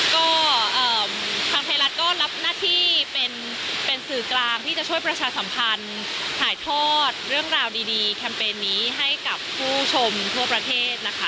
ก็ทางไทยรัฐก็รับหน้าที่เป็นสื่อกลางที่จะช่วยประชาสัมพันธ์ถ่ายทอดเรื่องราวดีแคมเปญนี้ให้กับผู้ชมทั่วประเทศนะคะ